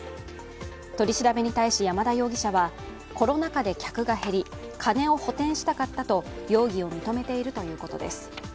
取り調べに対し山田容疑者はコロナ禍で客が減り金を補填したかったと容疑を認めているということです。